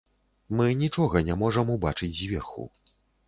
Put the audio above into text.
Мы нічога не можам убачыць зверху.